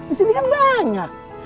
disini kan banyak